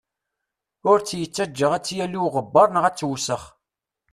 Ur tt-yettaǧǧa ad tt-yali uɣebbar neɣ ad tewsex.